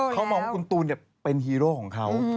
เขามองว่าคุณตูนเป็นฮีโร่ของเขา